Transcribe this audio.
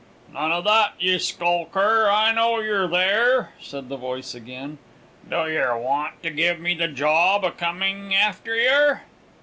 "None o' that, yer skulker; I know yer there!" said the voice again. "Do yer want to give me the job o' coming after yer?"